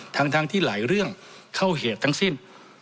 ทั้งที่หลายเรื่องเข้าเหตุทั้งสิ้น